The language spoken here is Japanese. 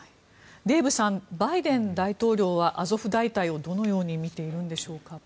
デーブさんバイデン大統領はアゾフ大隊をどのように見ているんでしょうか。